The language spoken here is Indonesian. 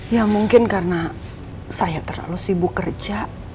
ya mungkin karena saya terlalu sibuk kerja